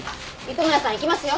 糸村さん行きますよ。